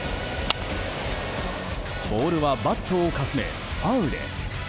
ボールはバットをかすめ、ファウル。